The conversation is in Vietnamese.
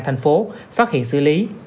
thành phố phát hiện xử lý